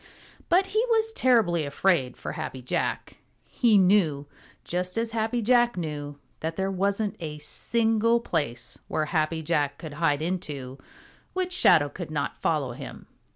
But he was terribly afraid for Happy Jack. He knew, just as Happy Jack knew, that there wasn't a single place where Happy Jack could hide into which Shadow could not follow him.